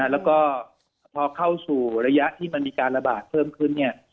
แล้วก็พอเข้าสู่ระยะที่มันมีการระบาดเพิ่มขึ้น